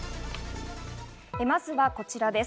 まずはこちらです。